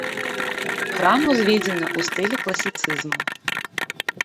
Храм узведзены ў стылі класіцызму.